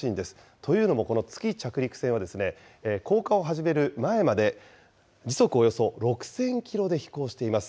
というのも、この月着陸船は、降下を始める前まで、時速およそ６０００キロで飛行しています。